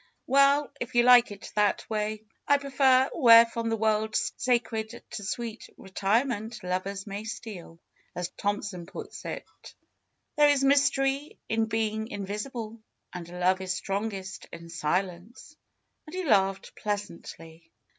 ^^Well, if you like it that way. I prefer ^Where from the world sacred to sweet retirement lovers may steal,^ as Thomson puts it. There is mystery in being invis ible. And love is strongest in silence," and he laughed pleasantly.